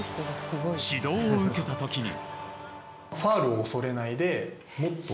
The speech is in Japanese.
指導を受けた時に。